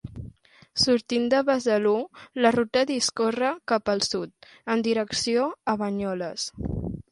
Sortint de Besalú, la ruta discorre cap al sud, en direcció a Banyoles.